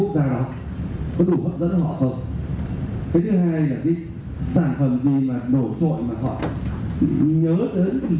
cái thứ hai là cái sản phẩm gì mà đổ chọi mà họ nhớ đến